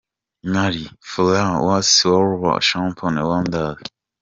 Mar, Fulham vs Wolverhampton Wanderers.